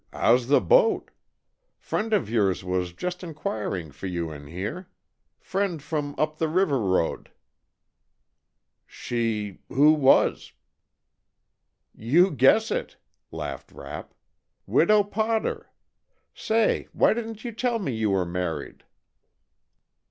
How's the boat? Friend of yours was just enquiring for you in here. Friend from up the river road." "She who was?" "You guess it!" laughed Rapp. "Widow Potter. Say, why didn't you tell me you were married?"